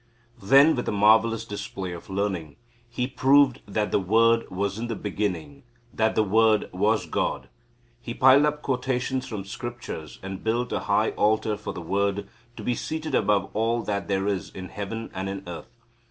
Then with a marvellous display of learning, he proved that the Word was in the beginning, that the Word was God. He piled up quotations from scriptures, and built a high altar for the Word to be seated above all that there is in heaven and in earth.